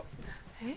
えっ？